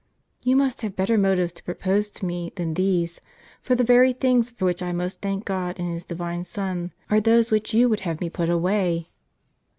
"You must have better motives to propose to me than these ; for the very things for which I most thank God and His Divine Son, are those which you would have me put away."